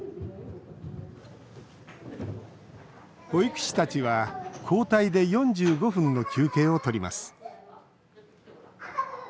保育士たちは交代で４５分の休憩をとります。